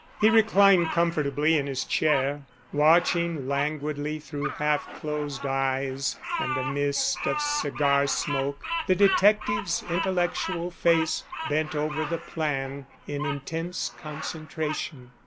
He reclined comfortably in his chair, watching languidly through half closed eyes and a mist of cigar smoke the detective's intellectual face bent over the plan in intense concentration.